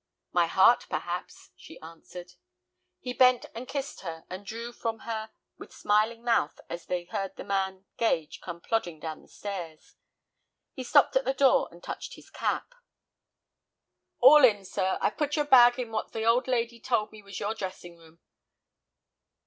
"My heart, perhaps," she answered. He bent and kissed her, and drew from her with smiling mouth as they heard the man Gage come plodding down the stairs. He stopped at the door and touched his cap. "All in, sir. I've put your bag in what the old lady told me was your dressing room."